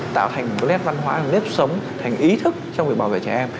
tạo thành một nét văn hóa một nét sống thành ý thức trong việc bảo vệ trẻ em